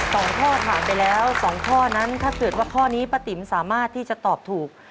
สองข้อผ่านไปแล้วสองข้อนั้นถ้าเกิดว่าข้อนี้ป้าติ๋มสามารถที่จะตอบถูก